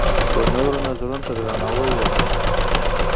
د نورو نظرونو ته درناوی وکړئ.